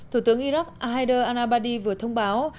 thủ tướng iraq haider al abadi vừa thông báo